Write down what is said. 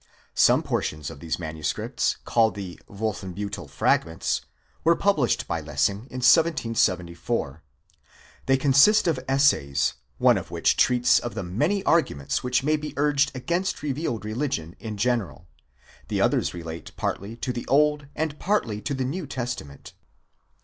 Some portions of these manuscripts, called the "'Wolfenbiittel Fragments," were published by Lessing in 1774. They | consist of Essays, one of which treats of the many arguments which may be urged against revealed religion in general; the others relate partly to the Old and partly to the New Testament.